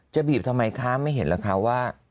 จะบีบทำไมคะไม่เห็นหรือคะว่า